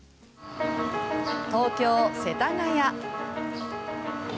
東京・世田谷。